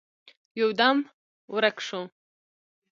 يودم ورک شو.